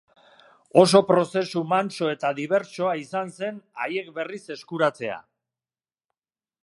Oso prozesu mantso eta dibertsoa izan zen haiek berriz eskuratzea.